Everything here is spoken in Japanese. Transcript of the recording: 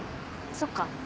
そっか。